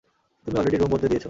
তুমি already room বদলে দিয়েছ।